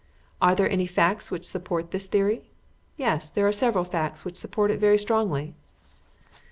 Are there any facts which support this theory? Yes, there are several facts which support it very strongly.